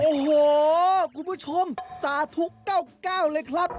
โอ้โหคุณผู้ชมสาธุ๙๙เลยครับ